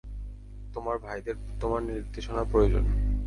তোমার ভাইদের তোমার নির্দেশনা প্রয়োজন।